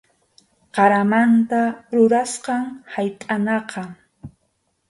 Qaramanta rurasqam haytʼanaqa.